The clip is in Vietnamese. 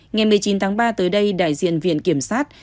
ngày một mươi chín tháng ba tới đây đại diện viện kiểm sát